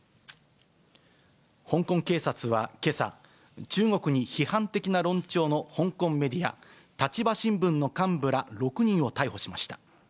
香港警察はけさ、中国に批判的な論調の香港メディア、立場新聞の幹部ら６人を逮捕しました。